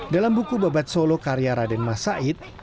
dalam buku babat solo karya raden mas said